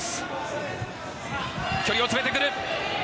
距離を詰めてくる！